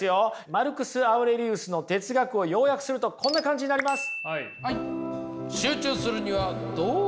マルクス・アウレリウスの哲学を要約するとこんな感じになります。